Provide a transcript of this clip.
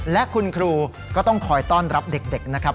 และคุณครูก็ต้องคอยต้อนรับเด็กนะครับ